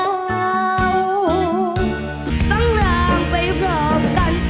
หวังว่าไม่รักบอกแล้ว